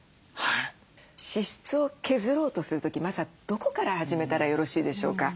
支出を削ろうとする時まずはどこから始めたらよろしいでしょうか？